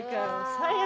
最悪。